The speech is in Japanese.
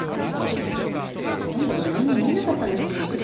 ほとんど何も見えなかったんですよ。